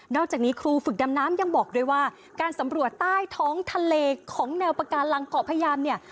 อกจากนี้ครูฝึกดำน้ำยังบอกด้วยว่าการสำรวจใต้ท้องทะเลของแนวปากาลังเกาะพยามเนี่ย